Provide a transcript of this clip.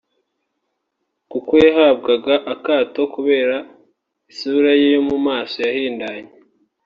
kuko yahabwaga akato kubera isura ye yo mu maso yahindanye